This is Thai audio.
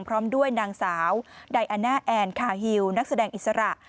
พร้อมด้วยนางสาวไดอาน่าแอนคาฮิวนักแสดงอิสระ